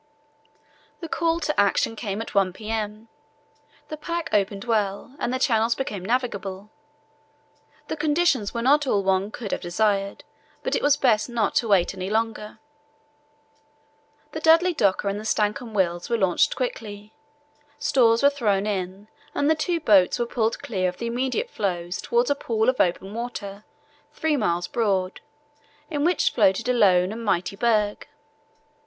The call to action came at 1 p.m. The pack opened well and the channels became navigable. The conditions were not all one could have desired, but it was best not to wait any longer. The Dudley Docker and the Stancomb Wills were launched quickly. Stores were thrown in, and the two boats were pulled clear of the immediate floes towards a pool of open water three miles broad, in which floated a lone and mighty berg.